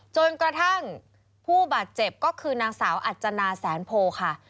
จนกระทั่งผู้บาดเจ็บก็คือนางสาวอัจจนาแสนโพค่ะ